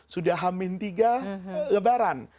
sudah hamil tiga lebaran